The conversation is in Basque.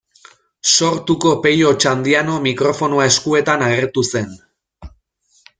Sortuko Pello Otxandiano mikrofonoa eskuetan agertu zen.